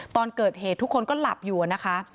ตอนเกิดเหตุทุกคนก็หลับอยู่นะคะ